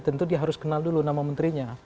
tentu dia harus kenal dulu nama menterinya